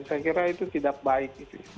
saya kira itu tidak baik